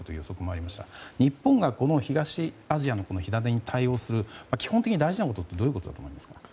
日本がこの東アジアの火種に対応する基本的に大事なことってどういうことだと思いますか。